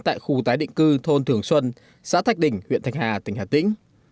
tại khu tái định cư thôn thường xuân xã thạch đỉnh huyện thạch hà tỉnh hà tĩnh